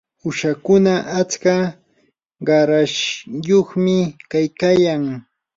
uushakuna atska qarashyuqmi kaykayan.